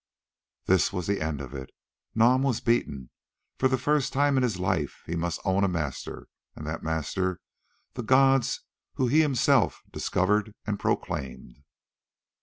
This was the end of it. Nam was beaten; for the first time in his life he must own a master, and that master the gods whom he had himself discovered and proclaimed.